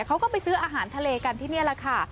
เขาก็ไปซื้ออาหารทะเลกันที่นี่แหละค่ะ